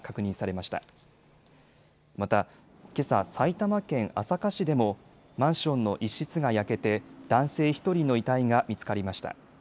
また、けさ埼玉県朝霞市でもマンションの一室が焼けて男性１人の遺体が見つかりました。